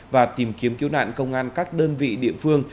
và tìm kiếm cứu nạn công an các đơn vị địa phương